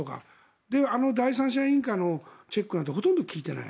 で、あの第三者委員会のチェックなんてほとんど利いてない。